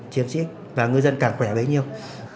chiến sĩ và ngư dân càng khỏe bấy nhiêu